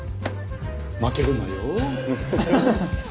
負けるなよフフ。